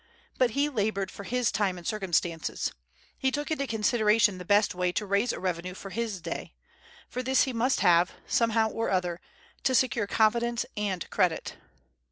But he labored for his time and circumstances. He took into consideration the best way to raise a revenue for his day; for this he must have, somehow or other, to secure confidence and credit.